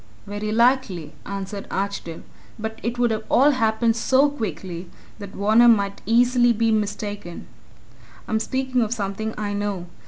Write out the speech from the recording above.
"Very likely," answered Archdale. "But it would all happen so quickly that Varner might easily be mistaken. I'm speaking of something I know.